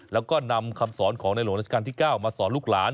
แล้วก็นำคำสอนของในหลวงราชการที่๙มาสอนลูกหลาน